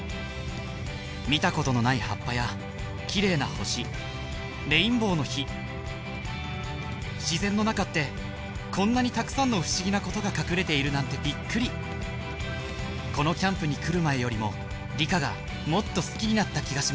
見たことのない葉っぱや綺麗な星レインボーの火自然の中ってこんなにたくさんの不思議なことが隠れているなんてびっくりこのキャンプに来る前よりも理科がもっと好きになった気がします